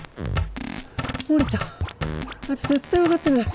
森田あいつ絶対分かってない。